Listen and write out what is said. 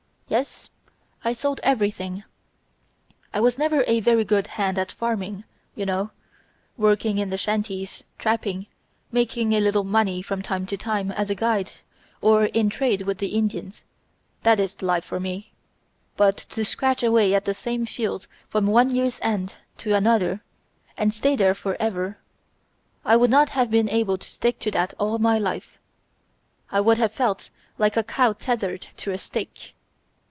"Yes, I sold everything. I was never a very good hand at farming, you know. Working in the shanties, trapping, making a little money from time to time as a guide or in trade with the Indians, that is the life for me; but to scratch away at the same fields from one year's end to another, and stay there forever, I would not have been able to stick to that all my life; I would have felt like a cow tethered to a stake."